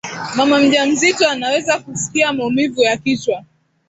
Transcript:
mama mjamzito anaweza kusikia maumivu ya kichwa